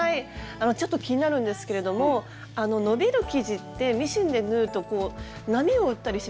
ちょっと気になるんですけれども伸びる生地ってミシンで縫うとこう波を打ったりしませんか？